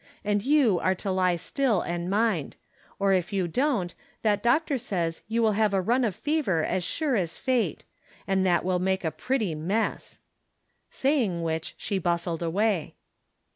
And you are to lie still and mind; or if you don't, that doctor says you will have a run of fever as sure as fate ; and that will make a pretty mess." Saying which, she bustled away.